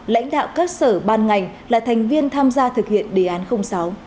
lãnh đạo các sở ban ngành là thành viên tham gia thực hiện đề án sáu